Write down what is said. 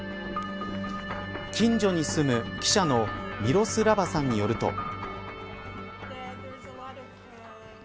近所に住む記者のミロスラバさんによると。